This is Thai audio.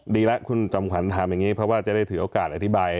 ดีแล้วคุณจอมขวัญถามอย่างนี้เพราะว่าจะได้ถือโอกาสอธิบาย